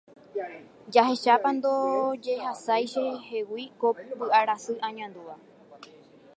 Jahechápa ndojehasái chehegui ko py'arasy añandúva.